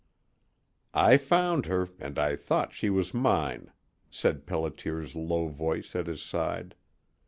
"I found her, and I thought she was mine," said Pelliter's low voice at his side.